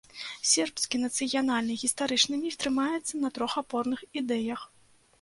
Сербскі нацыянальны гістарычны міф трымаецца на трох апорных ідэях.